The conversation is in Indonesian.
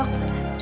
makasih ya dok